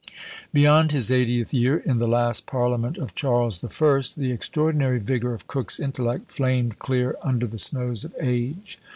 Beyond his eightieth year, in the last parliament of Charles the First, the extraordinary vigour of Coke's intellect flamed clear under the snows of age.